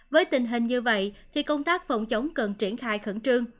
với tình hình như vậy thì công tác phòng chống cần triển khai khẩn trương